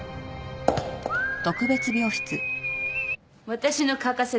私の欠かせない助手